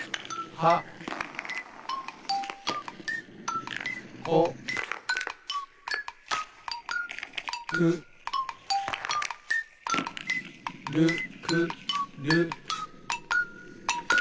「はこくるくる」。